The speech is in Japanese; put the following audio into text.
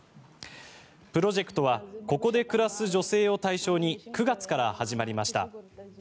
プロジェクトはここで暮らす女性を対象に９月から始まりました。